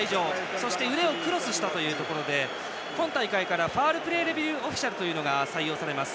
そして腕をクロスしたので今大会からファウルプレーレビューオフィシャルが採用されます。